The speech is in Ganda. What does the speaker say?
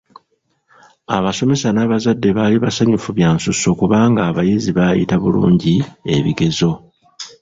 Abasomesa n'abazadde baali basanyufu bya nsusso kubanga abayizi baayita bulungi ebigezo.